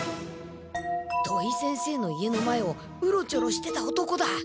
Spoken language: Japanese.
土井先生の家の前をうろちょろしてた男だ。